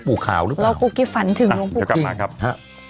พักกันก่อน